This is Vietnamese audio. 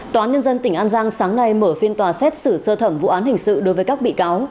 tòa án nhân dân tỉnh an giang sáng nay mở phiên tòa xét xử sơ thẩm vụ án hình sự đối với các bị cáo